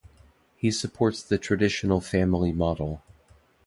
He supports the traditional family model.